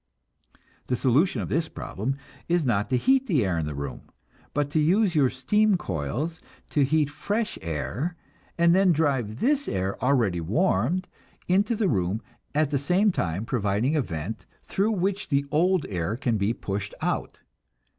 The solution of this problem is not to heat the air in the room, but to use your steam coils to heat fresh air, and then drive this air, already warmed, into the room, at the same time providing a vent through which the old air can be pushed out.